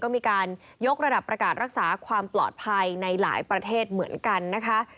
ก็มีการยกระดับประกาศรักษาความปลอดภัยในหลายประเทศเหมือนกันนะคะ